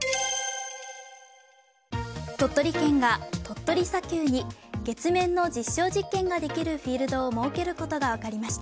鳥取県が、鳥取砂丘に月面の実証実験ができるフィールドを設けることが分かりました。